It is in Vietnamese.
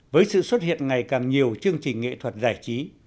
với sự xuất hiện ngày càng nhiều chương trình nghệ thuật giải trí